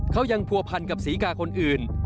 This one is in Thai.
เขายังผัวพันกับศรีกาคนอื่น